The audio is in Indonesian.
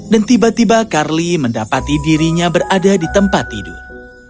tiba tiba carly mendapati dirinya berada di tempat tidur